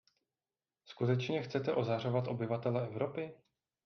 Skutečně chcete ozařovat obyvatele Evropy?